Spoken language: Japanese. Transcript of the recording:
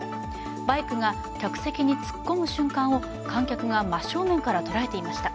バイクが客席に突っ込む瞬間を観客が真っ正面から捉えていました。